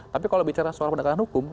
tapi kalau bicara soal penegakan hukum